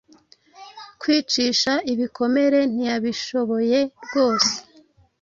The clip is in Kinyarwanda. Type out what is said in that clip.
Kwicisha ibikomere ntiyabishoboye rwose